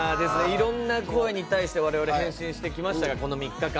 いろんな声に対して我々、返信してきましたがこの３日間。